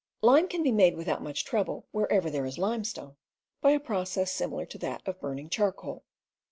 Lime can be made, without much trouble, wherever there is limestone, by a process similar to that of burn ing charcoal.